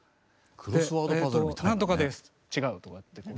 「えとなんとかです」「違う」とかって。